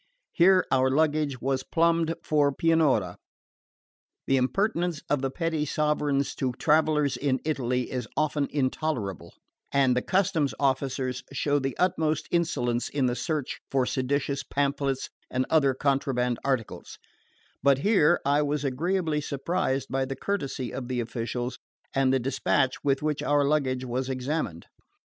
Here our luggage was plumbed for Pianura. The impertinence of the petty sovereigns to travellers in Italy is often intolerable, and the customs officers show the utmost insolence in the search for seditious pamphlets and other contraband articles; but here I was agreeably surprised by the courtesy of the officials and the despatch with which our luggage was examined.